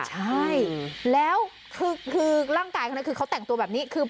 ใช่แล้วล่างกายเขาน่ะคือเขาแต่งตัวแบบนี้